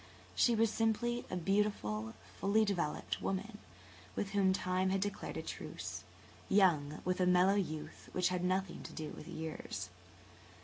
She was simply a beautiful, fully developed woman, with whom Time had declared a truce, young with a mellow youth which had nothing to do with years.